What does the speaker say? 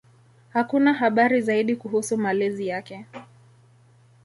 Hakuna habari zaidi kuhusu malezi yake.